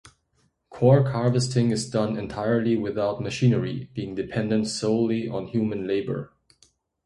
Cork harvesting is done entirely without machinery, being dependent solely on human labor.